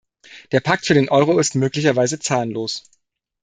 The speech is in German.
Der Pakt für den Euro ist möglicherweise zahnlos.